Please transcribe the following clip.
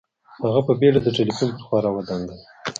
هغه په بېړه د ټلیفون پر خوا را ودانګل